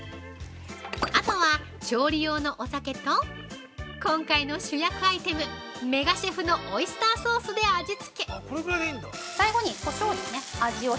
◆あとは調理用のお酒と今回の主役アイテムメガシェフのオイスターソースで味付け。